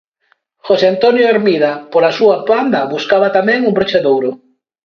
José Antonio Hermida, pola súa banda, buscaba tamén un broche de ouro.